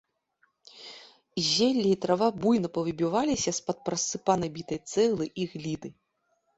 Зелле і трава буйна павыбіваліся з-пад парассыпанай бітай цэглы і гліны.